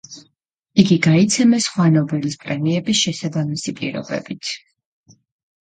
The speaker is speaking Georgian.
იგი გაიცემა სხვა ნობელის პრემიების შესაბამისი პირობებით.